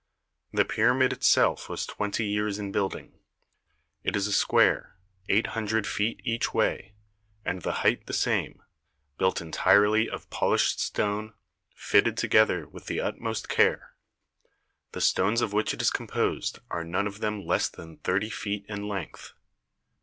The pyramid itself was twenty years in building. It is a square, eight hun dred feet each way, and the height the same, built THE PYRAMID OF KHUFU 19 entirely of polished stone, fitted together with the utmost care. The stones of which it is composed are none of them less than thirty feet in length.